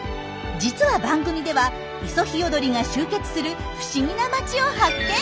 実は番組ではイソヒヨドリが集結する不思議な街を発見。